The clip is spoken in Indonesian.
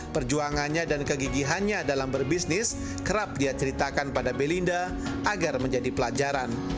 perjuangannya dan kegigihannya dalam berbisnis kerap dia ceritakan pada belinda agar menjadi pelajaran